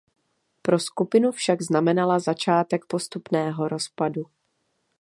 Pro skupinu však znamenala začátek postupného rozpadu.